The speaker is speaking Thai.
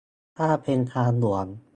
ถ้าเป็นทางหลวง